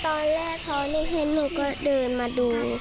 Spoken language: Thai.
ตอนแรกเขาไม่เห็นหนูก็เดินมาดู